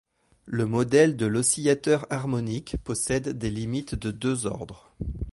Le modèle de l'oscillateur harmonique possède des limites de deux ordres.